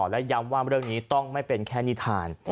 และย้ำว่าเรื่องนี้ต้องไม่เป็นแค่นิทาน